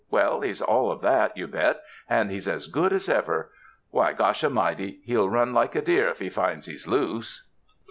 Well, he's all of that, yon bet, and he's as good as ever. Why, gosh a 'mighty, he'll run like a deer, if he finds he's loose.